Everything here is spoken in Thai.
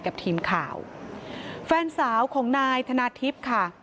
กับทีมข่าวแฟนสาวของนายธนาทิพย์ค่ะ